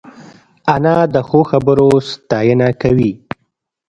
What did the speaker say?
انا د ښو خبرو ستاینه کوي